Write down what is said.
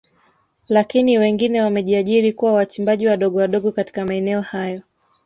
Lakini wengine wamejiajiri kuwa wachimbaji wadogo wadogo katika maeneo hayo